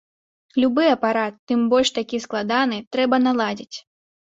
Любы апарат, тым больш такі складаны, трэба наладзіць.